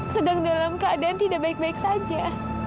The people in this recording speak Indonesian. sedang dalam keadaan tidak baik baik saja